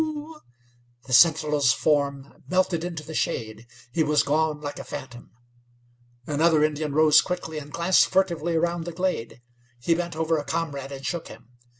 The sentinel's form melted into the shade. He was gone like a phantom. Another Indian rose quickly, and glanced furtively around the glade. He bent over a comrade and shook him.